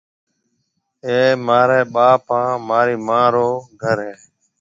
اَي مهارَي ٻاپ هانَ مهارِي مان رو گھر هيَ۔